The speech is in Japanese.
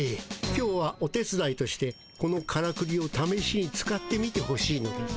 今日はお手つだいとしてこのからくりをためしに使ってみてほしいのです。